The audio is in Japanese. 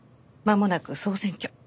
まもなく総選挙。